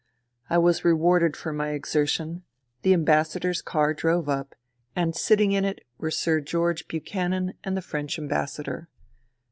I was rewarded for my exertion. The Ambassador's car drove up, and sitting in it were Sir George Buchanan and the French Ambassador.